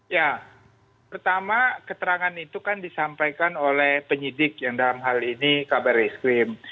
ya pertama keterangan itu kan disampaikan oleh penyidik yang dalam hal ini kabar eskrim